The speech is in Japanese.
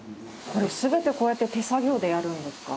これ全てこうやって手作業でやるんですか？